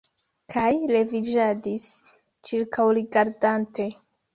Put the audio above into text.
Kaj leviĝadis, ĉirkaŭrigardante.